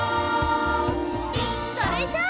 それじゃあ。